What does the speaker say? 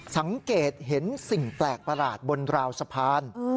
สังเกตเห็นสิ่งแปลกประหลาดบนราวสะพาน